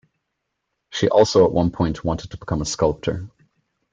She also at one point wanted to become a sculptor.